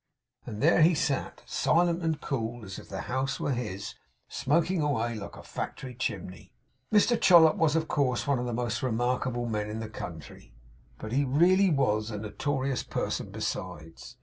And there he sat. Silent and cool, as if the house were his; smoking away like a factory chimney. Mr Chollop was, of course, one of the most remarkable men in the country; but he really was a notorious person besides.